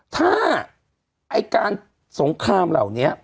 ถ้าไอ้การสงครามเหล่านี้